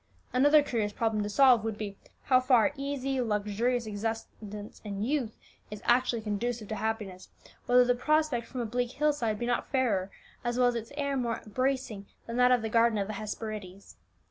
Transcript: Another curious problem to solve would be, how far easy, luxurious existence in youth is actually conducive to happiness; whether the prospect from a bleak hill side be not fairer, as well as its air more bracing, than that of the garden of the Hesperides.